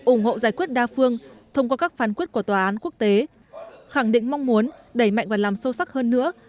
ủng hộ giải quyết đa phương thông qua các phán quyết của tòa án quốc tế khẳng định mong muốn đẩy mạnh và làm sâu sắc hơn nữa